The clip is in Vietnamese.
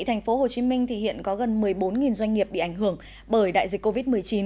thành phố hồ chí minh thì hiện có gần một mươi bốn doanh nghiệp bị ảnh hưởng bởi đại dịch covid một mươi chín